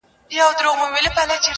د حلال او د حرام سوچونه مکړه,